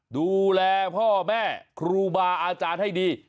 ดูแลพ่อแม่ครูบาอาจารย์ให้ดี